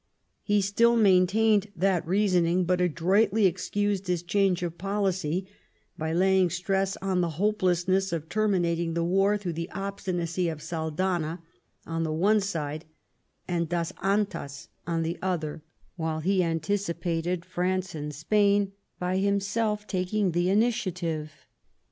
He still maintained that reasoning, but adroitly excused his change of policy by laying stress on the hopelessness of terminating the war through the obstinacy of Saldanha on the one side, and Das Antas on the other, while he anticipated France and Spain by himself taking the initiative.